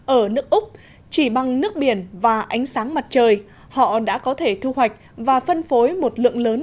ở nước úc chỉ bằng nước biển và ánh sáng mặt trời họ đã có thể thu hoạch và phân phối một lượng lớn